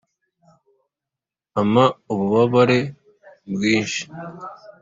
ampa ububabare bwinshi